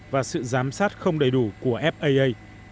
và sự giám sát không đầy đủ của faa